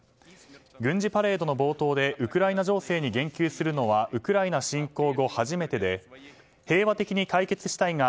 軍事パレードの冒頭でウクライナ情勢に言及するのはウクライナ侵攻後初めてで平和的に解決したいが